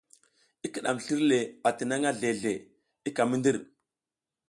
I kiɗam slir le atinangʼha zle zle i ka mi ndir.